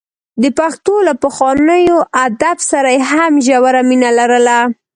د پښتو له پخواني ادب سره یې هم ژوره مینه لرله.